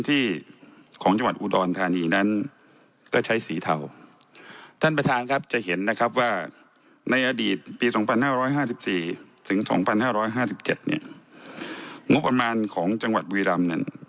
ถึงสองพันห้าร้อยห้าสิบเจ็ดเนี้ยงบประมาณของจังหวัดบุรีรัมณ์นั้น